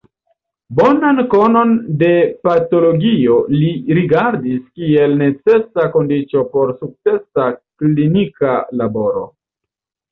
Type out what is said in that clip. Bonan konon de patologio li rigardis kiel necesa kondiĉo por sukcesa klinika laboro.